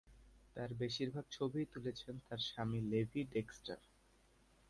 তার বেশিরভাগ ছবিই তুলেছেন তার স্বামী লেভি ডেক্সটার।